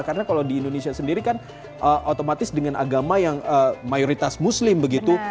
karena kalau di indonesia sendiri kan otomatis dengan agama yang mayoritas muslim begitu